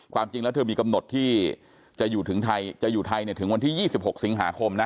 ความจริงแล้วเธอมีกำหนดที่จะอยู่ถึงไทยจะอยู่ไทยถึงวันที่๒๖สิงหาคมนะ